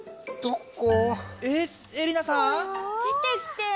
出てきてよ！